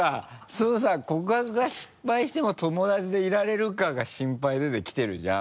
そのさ「告白が失敗しても友達でいられるかが心配で」で来てるじゃん。